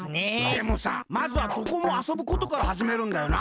でもさまずはどこもあそぶことからはじめるんだよな。